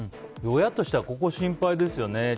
親としては、ここ心配ですね。